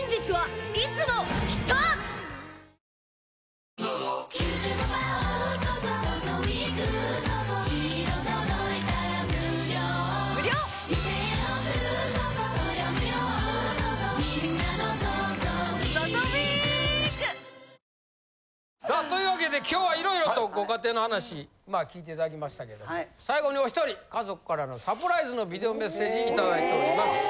おいしさプラスさあというわけで今日は色々とご家庭の話聞いていただきましたけども最後におひとり家族からのサプライズのビデオメッセージ頂いております。